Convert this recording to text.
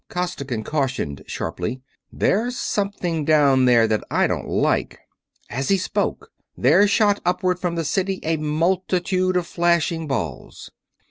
Costigan cautioned, sharply. "There's something down there that I don't like!" As he spoke there shot upward from the city a multitude of flashing balls.